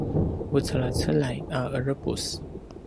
vucelacelay a ’erepus